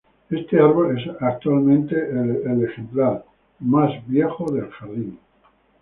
Este árbol es actualmente el ejemplar más viejo del jardín.